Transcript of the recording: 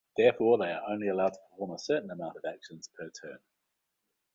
Therefore, they are only allowed to perform a certain amount of actions per turn.